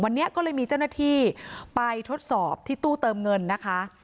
วันนี้ก็เลยมีเจ้าหน้าที่ไปทดสอบที่ตู้เติมเงินนะคะ